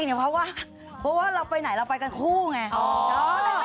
เพราะว่าเพราะว่าเราไปไหนเราไปกันคู่ไง